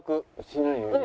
しないよね。